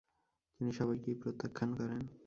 তিনি সবাইকেই প্রত্যাখ্যান করেন।